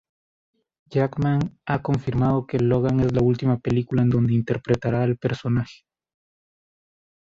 Jackman ha confirmado que Logan es la última película en donde interpretará al personaje.